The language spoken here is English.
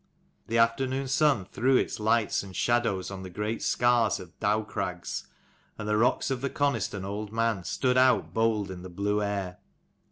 The afternoon sun threw its lights and shadows on the great scars of Dowcrags, and the rocks of the Coniston Old Man stood out bold in the blue air.